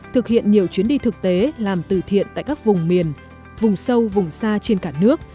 thực hiện nhiều chuyến đi thực tế làm từ thiện tại các vùng miền vùng sâu vùng xa trên cả nước